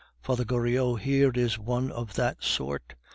Father Goriot here is one of that sort.